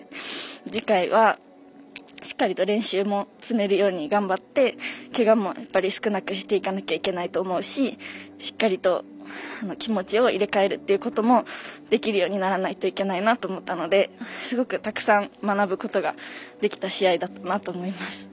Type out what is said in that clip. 次回はしっかりと練習も積めるように頑張ってけがも少なくしていかなきゃいけないと思うししっかりと気持ちいれかえるということもできるようにならないといけないなと思ったのですごくたくさん学ぶことができた試合だったなと思います。